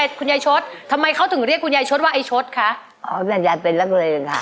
อ๋อยายเป็นนักเร็ง